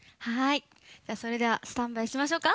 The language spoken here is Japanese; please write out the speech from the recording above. それではスタンバイしましょうか。